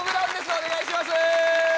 お願いします！